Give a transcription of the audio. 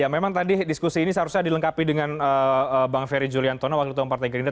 cuman tadi diskusi ini seharusnya dilengkapi dengan bang ferry julian tono wakil ketua umum partai gerinda